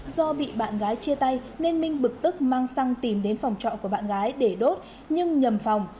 do bị bạn gái chia tay nên minh bực tức mang xăng tìm đến phòng trọ của bạn gái để đốt nhưng nhầm phòng